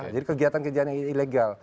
jadi kegiatan kegiatan yang ilegal